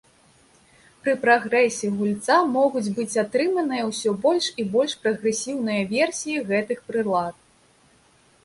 Пры прагрэсе гульца могуць быць атрыманыя ўсё больш і больш прагрэсіўныя версіі гэтых прылад.